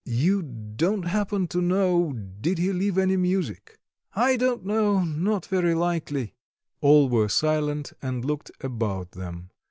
"You don't happen to know,... did he leave any music?" "I don't know; not very likely." All were silent and looked about them.